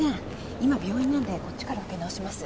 今病院なんでこっちからかけ直します。